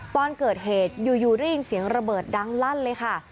ตอนเกิดเหตุอยู่ได้ยินเสียงระเบิดดังลั่นเลยค่ะ